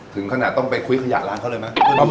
ถึงขนาดต้องไปคุยขยะร้านเขาเลยไหม